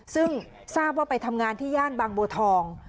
ซึ่งทราบว่าไปทำงานที่ย่านบางบัวทอง